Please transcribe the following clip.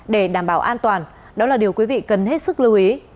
để đảm bảo an toàn đó là điều quý vị cần hết sức lưu ý